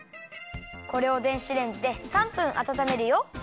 これを電子レンジで３分あたためるよ。